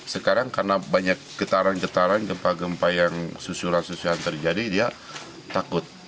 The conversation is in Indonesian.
sekarang karena banyak getaran getaran gempa gempa yang susuran susulan terjadi dia takut